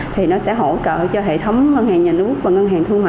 thì nó sẽ hỗ trợ cho hệ thống ngân hàng nhà nước và ngân hàng thương mại